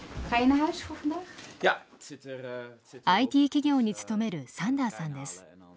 ＩＴ企業に勤めるサンダーさんです。